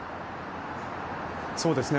そうですね。